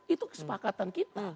itu kesepakatan kita